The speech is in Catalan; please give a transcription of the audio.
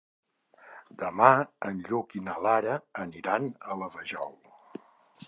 Demà en Lluc i na Lara aniran a la Vajol.